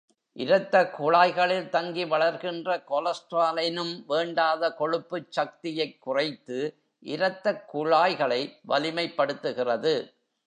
இரத்த குழாய்களில் தங்கி வளர்கின்ற கொலஸ்ட்ரால் எனும் வேண்டாத கொழுப்புச் சக்தியைக் குறைத்து, இரத்தக் குழாய்களை வலிமைப்படுத்துகிறது.